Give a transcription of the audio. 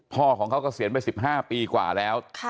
พ่อของเขาเกษียณไป๑๕ปีกว่าแล้ว